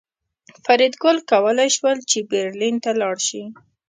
فریدګل کولی شول چې برلین ته لاړ شي